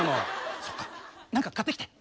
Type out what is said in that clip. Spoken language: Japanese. そっか何か買ってきて！